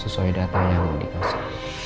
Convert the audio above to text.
sesuai data yang dikasih